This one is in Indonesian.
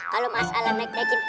kalau mas alam naik naikin